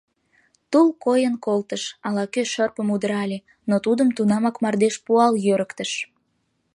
Тул койын колтыш: ала-кӧ шырпым удырале, но тудым тунамак мардеж пуал йӧрыктыш.